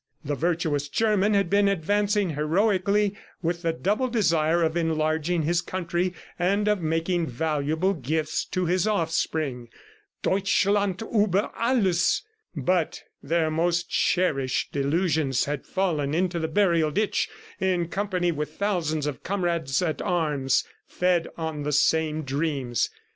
The virtuous German had been advancing heroically with the double desire of enlarging his country and of making valuable gifts to his offspring. "Deutschland uber alles!" But their most cherished illusions had fallen into the burial ditch in company with thousands of comrades at arms fed on the same dreams.